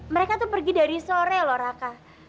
mereka tuh pergi dari sore loh raka